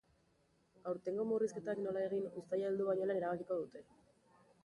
Aurtengo murrizketak nola egin uztaila heldu baino lehen erabakiko dute.